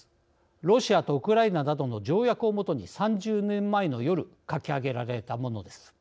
ロシアとウクライナなどの条約を基に３０年前の夜書き上げられたものです。